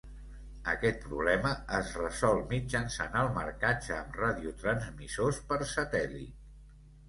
Aquest problema es resol mitjançant el marcatge amb radiotransmissors per satèl·lit.